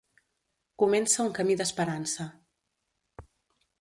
Comença un camí d’esperança.